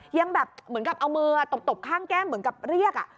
ยังแบบเหมือนกับเอามือตบข้างแก้มเหมือนกับเรียก